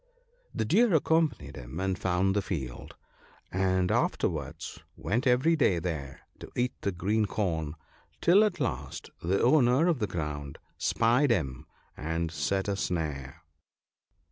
The Deer accompanied him, and found the field, and afterwards went every day there to eat the green corn, till at last the owner of the ground spied him and set a snare.